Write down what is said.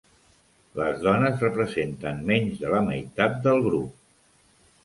Les dones representen menys de la meitat del grup.